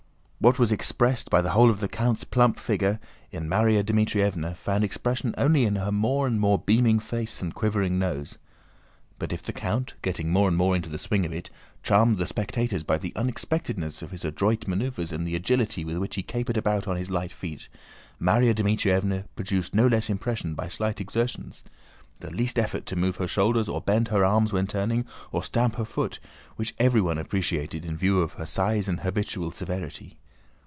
What was expressed by the whole of the count's plump figure, in Márya Dmítrievna found expression only in her more and more beaming face and quivering nose. But if the count, getting more and more into the swing of it, charmed the spectators by the unexpectedness of his adroit maneuvers and the agility with which he capered about on his light feet, Márya Dmítrievna produced no less impression by slight exertions—the least effort to move her shoulders or bend her arms when turning, or stamp her foot—which everyone appreciated in view of her size and habitual severity.